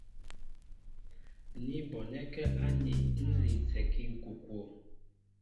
Ní bonɛ́kɛ́ aní ń linsɛkí ŋ̀kokwo.